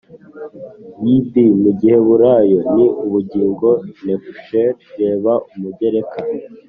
Yb mu giheburayo ni ubugingo nephesh reba umugereka